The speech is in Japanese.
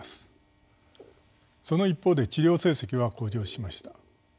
その一方で治療成績は向上しました。